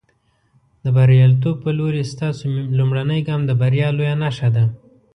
د برياليتوب په لورې، ستاسو لومړنی ګام د بریا لویه نښه ده.